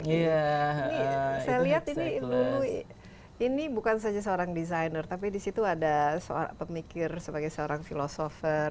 ini saya lihat ini dulu ini bukan saja seorang designer tapi disitu ada pemikir sebagai seorang philosopher